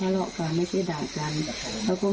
เราก็ไม่เคยเถ้าเหละกัน